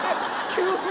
急に？